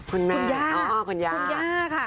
คุณแม่อะโอ้โอ้คุณย่าคุณย่าดีกว่าครับ